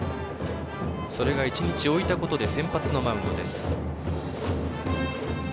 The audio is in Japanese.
それが１日置いたことで先発のマウンドです。